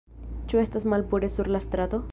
Ĉu estas malpure sur la strato?